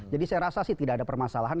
jadi saya rasa sih tidak ada permasalahan